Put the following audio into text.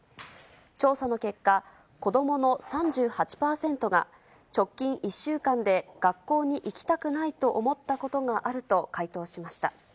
調査の結果、子どもの３８％が、直近１週間で学校に行きたくないと思ったことがあると回答しました。